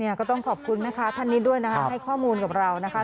ก็ต้องขอบคุณแม่ค้าท่านนี้ด้วยนะคะให้ข้อมูลกับเรานะคะ